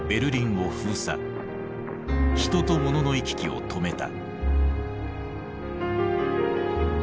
人と物の行き来を止めた。